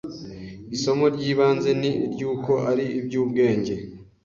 Isomo ry’ibanze ni iry’uko ari iby’ubwenge